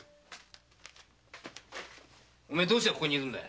おめえどうしてここにいるんだ？